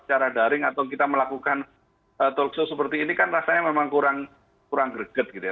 secara daring atau kita melakukan talk show seperti ini kan rasanya memang kurang greget gitu ya